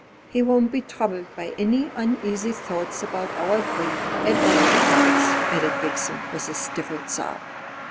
He won't be troubled by any uneasy thoughts about our grief, at all events," added Vixen, with a stifled sob.